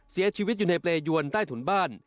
เสียชีวิตอยู่ในเปรยวนใต้ถุนบ้าน